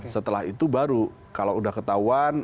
setelah itu baru kalau sudah ketahuan